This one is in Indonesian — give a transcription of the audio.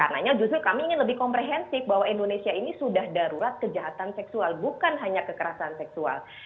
karena justru kami ingin lebih komprehensif bahwa indonesia ini sudah darurat kejahatan seksual bukan hanya kekerasan seksual